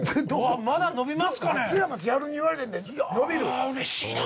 いやうれしいな。